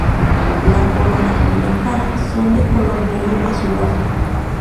La corona y la cara son de color negro azulado.